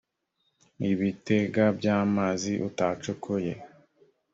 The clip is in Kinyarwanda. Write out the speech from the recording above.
ibitega by amazi utacukuye